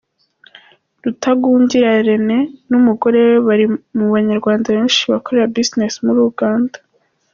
Rutagungira Rene n’umugore we bari mu banyarwanda benshi bakorera business muri Uganda.